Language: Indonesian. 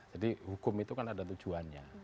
jadi hukum itu kan ada tujuannya